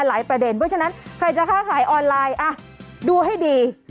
ประเด็นเพราะฉะนั้นใครจะค้าขายออนไลน์ดูให้ดี